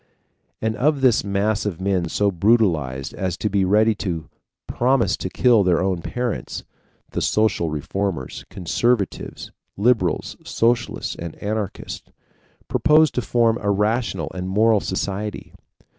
And of this mass of men so brutalized as to be ready to promise to kill their own parents, the social reformers conservatives, liberals, socialists, and anarchists propose to form a rational and moral society.